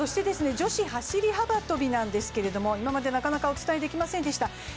女子走幅跳なんですが、今までなかなかお伝えできませんでした。